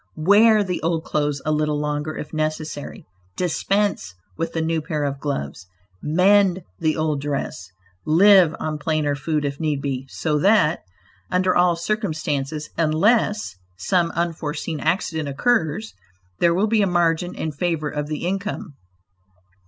Wear the old clothes a little longer if necessary; dispense with the new pair of gloves; mend the old dress: live on plainer food if need be; so that, under all circumstances, unless some unforeseen accident occurs, there will be a margin in favor of the income.